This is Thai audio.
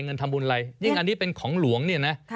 เงินทำบุญอะไรยิ่งอันนี้เป็นของหลวงเนี่ยนะ